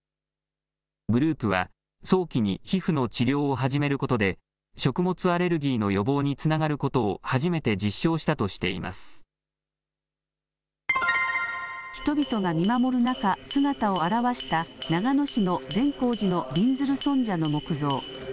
グループは、早期に皮膚の治療を始めることで、食物アレルギーの予防につながることを初めて実証したとしていま人々が見守る中、姿を現した長野市の善光寺のびんずる尊者の木像。